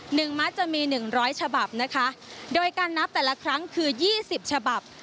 หนึ่งมักจะมีหนึ่งร้อยฉบับนะคะโดยการนับแต่ละครั้งคือยี่สิบฉบับ